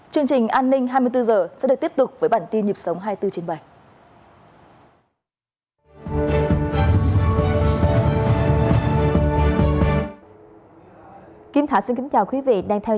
chương trình an ninh hai mươi bốn h sẽ được tiếp tục với bản tin